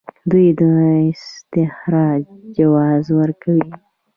دوی د استخراج جواز ورکوي.